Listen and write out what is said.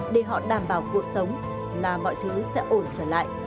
để họ đảm bảo cuộc sống là mọi thứ sẽ ổn trở lại